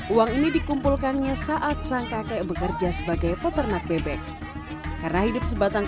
uang ini dikumpulkannya saat sang kakek bekerja sebagai peternak bebek karena hidup sebatang